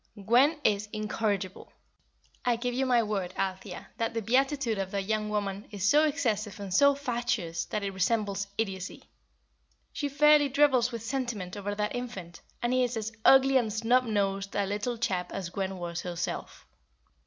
"Gwen is incorrigible. I give you my word, Althea, that the beatitude of that young woman is so excessive and so fatuous that it resembles idiocy. She fairly drivels with sentiment over that infant, and he is as ugly and snub nosed a little chap as Gwen was herself.